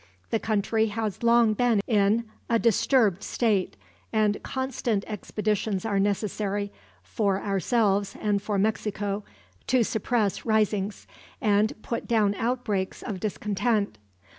The country has long been in a disturbed state, and constant expeditions are necessary, for ourselves and for Mexico, to suppress risings, and put down outbreaks of discontent.